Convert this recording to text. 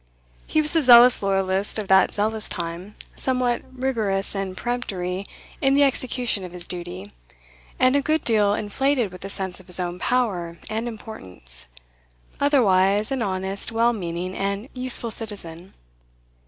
He was a zealous loyalist of that zealous time, somewhat rigorous and peremptory in the execution of his duty, and a good deal inflated with the sense of his own power and importance; otherwise an honest, well meaning, and useful citizen.